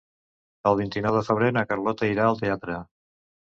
El vint-i-nou de febrer na Carlota irà al teatre.